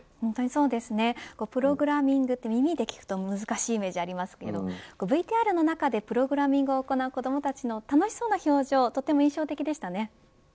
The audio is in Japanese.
プログラミングは耳で聞くと難しいイメージがありますがＶＴＲの中でプログラミングを行う子どもたちの楽しそうな表情はとても印象的でしたね。